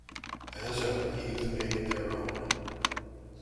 As ever the youth made it their own.